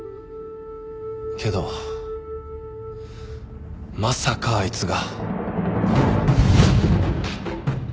けどまさかあいつが。